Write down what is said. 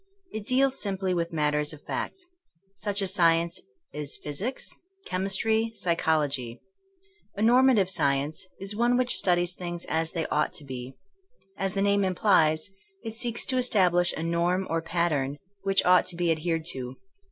It deals simply with mat ters of fact. Such a science is physics, chem istry, psychology. A normative science is one which studies things as they ought to be. As the name implies, it seeks to establish a norm or pattern which ought to be adhered to.